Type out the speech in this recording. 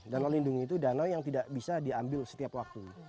danau lindungi itu dana yang tidak bisa diambil setiap waktu